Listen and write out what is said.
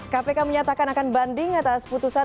kpk menyatakan akan banding atas putusan